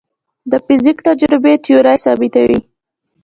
د فزیک تجربې تیوري ثابتوي.